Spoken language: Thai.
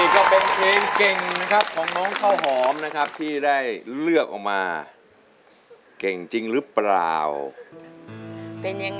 หากเธอมาได้แต่อย่าให้สวยเกิน